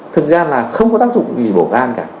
thực ra là không có tác dụng gì bổ gan cả